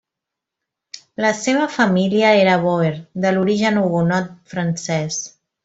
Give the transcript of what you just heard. La seva família era bòer de l'origen hugonot francès.